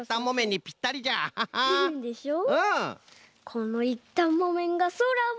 このいったんもめんがそらを。